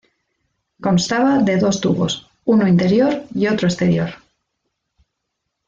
Constaba de dos tubos, uno interior y otro exterior.